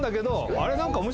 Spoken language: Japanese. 「あれ？